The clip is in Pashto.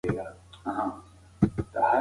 دا د دوو مسافرو تر منځ یوه نه هېرېدونکې کیسه وه.